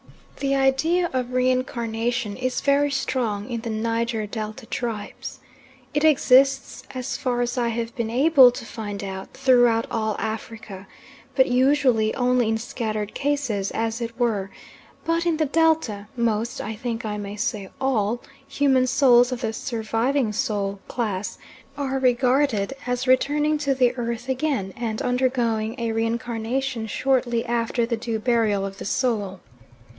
The idea of reincarnation is very strong in the Niger Delta tribes. It exists, as far as I have been able to find out, throughout all Africa, but usually only in scattered cases, as it were; but in the Delta, most I think I may say all human souls of the "surviving soul" class are regarded as returning to the earth again, and undergoing a reincarnation shortly after the due burial of the soul.